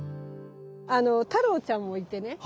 あの太郎ちゃんもいてね